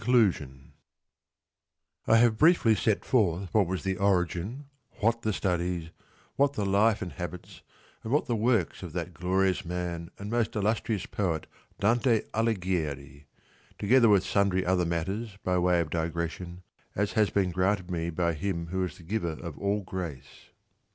loo I HAVE briefly set forth what was the origin, what the studies, what the life and habits, and what the works of that glorious man and most illustrious poet Dante Alighieri, together with sundry other matters by way of digression, as has been granted me by him who is the giver of all grace.